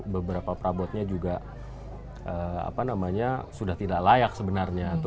beberapa perabotnya juga sudah tidak layak sebenarnya